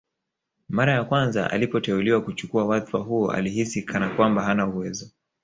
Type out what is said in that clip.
Mara ya kwanza alipoteuliwa kuchukua wadhfa huo alihisi kana kwamba hana uwezo